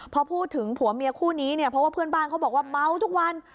พอพูดถึงผัวเมียคู่นี้เนี่ยเพราะว่าเพื่อนบ้านเขาบอกว่าเมาทุกวัน